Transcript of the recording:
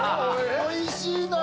おいしいのよ。